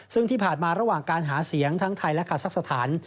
ซึ่งที่ผ่านมาระหว่างการหาเสียงทั้งไทยและคาซักสถาน